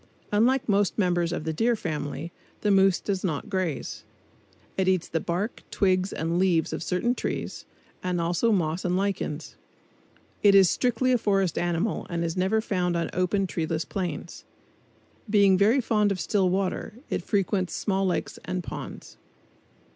Unlike most members of the Deer Family, the moose does not graze. It eats the bark, twigs and leaves of certain trees, and also moss and lichens. It is strictly a forest animal and is never found on open, treeless plains. Being very fond of still water, it frequents small lakes and ponds.